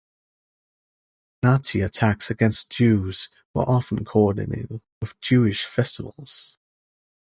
Nazi attacks against Jews were often coordinated with Jewish festivals.